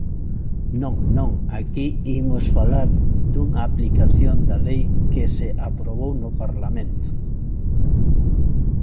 Non, non, aquí imos falar dunha aplicación da lei que se aprobou no Parlamento.